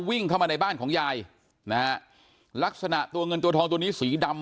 วิ่งเข้ามาในบ้านของยายนะฮะลักษณะตัวเงินตัวทองตัวนี้สีดำ